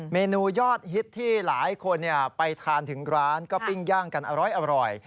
เมนูยอดฮิตที่หลายคนไปทานถึงร้านก็ปิ้งย่างกันอร้อย